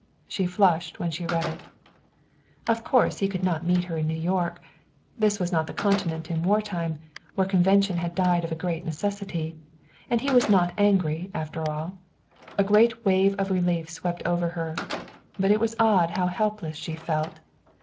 She flushed when she read it. Of course he could not meet her in New York. This was not the Continent in wartime, where convention had died of a great necessity. And he was not angry, after all. A great wave of relief swept over her. But it was odd how helpless she felt.